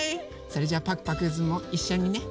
それじゃあパクパクズもいっしょにね。